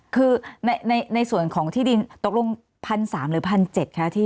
คือในส่วนของที่ดินตกลงพันสามหรือพันเจ็ดค่ะที่